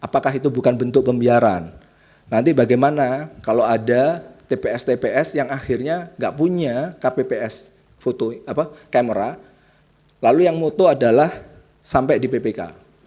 apakah itu bukan bentuk pembiaran nanti bagaimana kalau ada tps tps yang akhirnya nggak punya kpps camera lalu yang moto adalah sampai di ppk